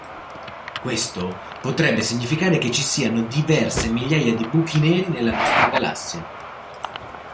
Questo potrebbe significare che ci siano diverse migliaia di buchi neri nella nostra galassia.